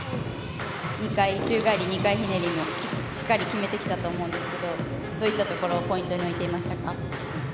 ２回宙返り２回ひねりもしっかり決めてきたと思うんですけどどういったところをポイントに置いていましたか。